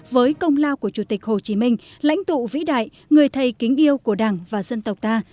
với công lao của chủ tịch hồ chí minh lãnh tụ vĩ đại người thầy kính yêu của đảng và dân tộc ta